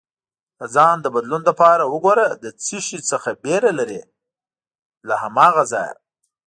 د ځان له بدلون لپاره وګوره له څه شي څخه ویره لرې، له هماغه ځایه